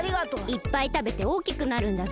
いっぱいたべておおきくなるんだぞ。